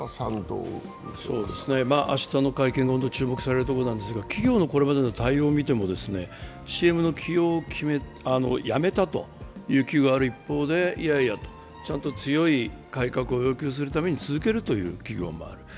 明日の会見が本当に注目されるところなんですが、企業のこれまでの対応を見てもＣＭの起用をやめたという企業がある一方でいやいやと、ちゃんと強い改革を要求するために続けるという企業もある。